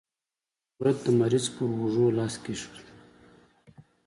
کرت د مریض پر اوږو لاس کېښود.